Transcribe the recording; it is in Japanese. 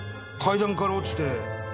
階段から落ちて。